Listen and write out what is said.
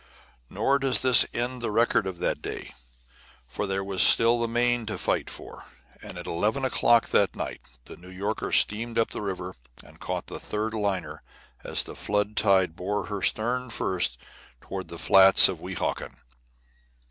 "] Nor does this end the record of that day, for there was still the Main to fight for, and at eleven o'clock that night the New Yorker steamed up the river and caught the third liner as the flood tide bore her stern first toward the flats of Weehawken.